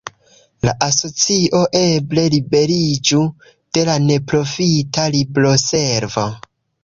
La asocio eble liberiĝu de la neprofita libroservo.